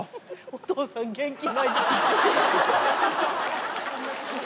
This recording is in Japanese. お父さん、元気ない。